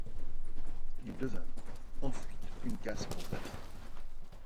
Il devint ensuite une casse pour bateaux.